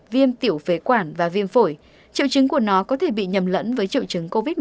viêm tiểu phế quản và viêm phổi triệu chứng của nó có thể bị nhầm lẫn với triệu chứng covid một mươi chín